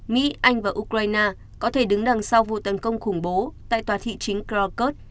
mỹ anh và ukraine có thể đứng đằng sau vụ tấn công khủng bố tại tòa thị chính crot